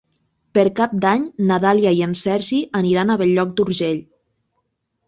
Per Cap d'Any na Dàlia i en Sergi aniran a Bell-lloc d'Urgell.